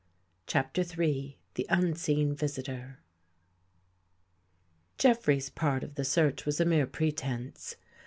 CHAPTER III THE UNSEEN VISITOR J EFFREY'S part of the search was a mere pretense.